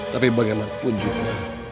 tapi bagaiman pun juga